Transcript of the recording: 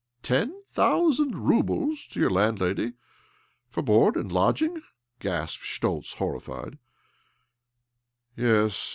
" Ten thousand roubles ? To your land lady? For board and lodging? " gasped Schtoltz, horrified. "Yes.